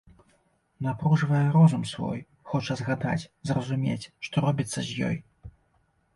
Напружвае розум свой, хоча згадаць, зразумець, што робіцца з ёй.